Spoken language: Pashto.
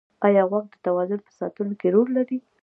ایا غوږ د توازن په ساتلو کې رول لري؟